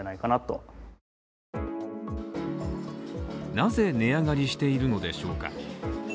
なぜ値上がりしているのでしょうか？